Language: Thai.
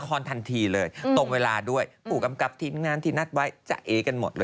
เคล็ดหล่อจะผิดกันได้นะพี่หนุ่ม